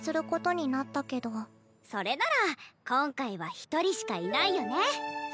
それなら今回は一人しかいないよね！